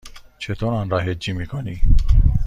چطور آن را هجی می کنی؟